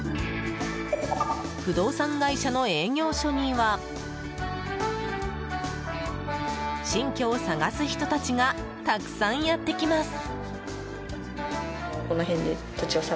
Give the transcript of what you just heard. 不動産会社の営業所には新居を探す人たちがたくさんやってきます。